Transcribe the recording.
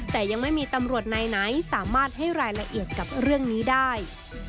แต่ยังไม่มีตำรวจนายไหนสามารถให้รายละเอียดกับเรื่องนี้ได้